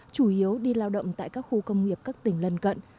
chủ yếu đi lao động tại các khu công nghiệp các tỉnh lân cận